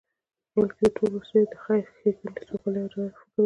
بلکی د ټول بشریت د خیر، ښیګڼی، سوکالی او عدالت فکر ولری